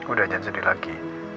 udah jangan sedih lagi